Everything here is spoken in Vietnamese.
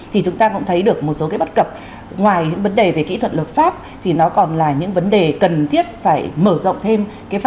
thì chúng ta cũng thấy được một số cái bất cập ngoài những vấn đề về kỹ thuật luật pháp thì nó còn là những vấn đề cần thiết phải mở rộng thêm